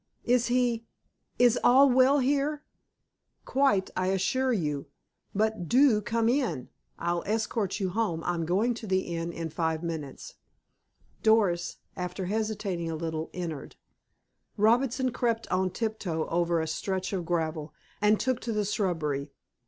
"Is he—is all well here?" "Quite, I assure you. But do come in. I'll escort you home. I'm going to the inn in five minutes." Doris, after hesitating a little, entered. Robinson crept on tiptoe over a stretch of gravel, and took to the shrubbery.